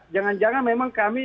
jangan jangan memang kami